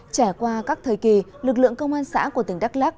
trải qua các thời kỳ lực lượng công an xã của tỉnh đắk lắc